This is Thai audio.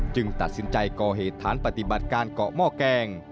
ตัดสินใจก่อเหตุฐานปฏิบัติการเกาะหม้อแกง